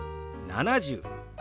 ７０。